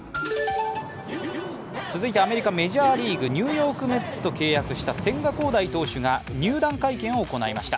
続いてアメリカ・メジャーリーグ、ニューヨーク・メッツと契約した千賀滉大投手が入団会見を行いました。